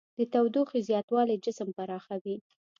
د تودوخې زیاتوالی جسم پراخوي.